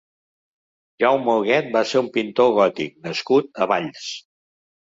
Jaume Huguet va ser un pintor gòtic nascut a Valls.